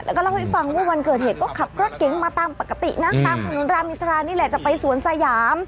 แล้วก็เล่าให้ฟังว่าวันเกิดเหตุก็ขับรถเก๋งมาตามปกตินะตามถนนรามอินทรานี่แหละจะไปสวนสยาม